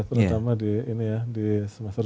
terutama di ini ya di semester dua